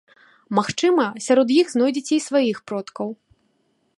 Магчыма, сярод іх знойдзеце і сваіх продкаў.